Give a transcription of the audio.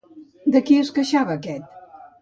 De qui es queixava aquest?